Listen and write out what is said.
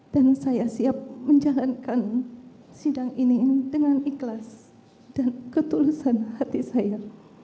dan saya siap menjalankan sidang ini dengan ikhlas dan ketulusan hati saya